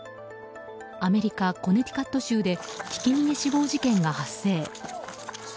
アメリカ・コネティカット州でひき逃げ死亡事件が発生。